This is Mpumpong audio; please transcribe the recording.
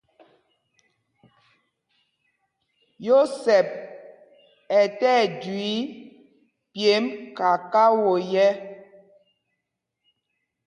Yósɛp ɛ́ tí ɛjüii pyêmb kakao yɛ̄.